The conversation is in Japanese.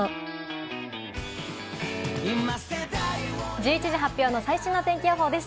１１時発表の最新の天気予報です。